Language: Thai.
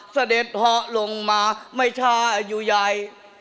เสด็จเหาะลงมาไม่ช้าอายุใหญ่